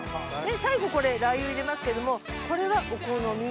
最後これラー油入れますけどもこれはお好み。